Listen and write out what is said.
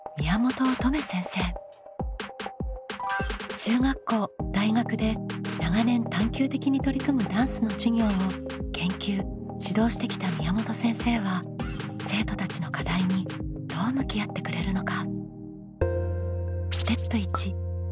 中学校大学で長年探究的に取り組むダンスの授業を研究指導してきた宮本先生は生徒たちの課題にどう向き合ってくれるのか。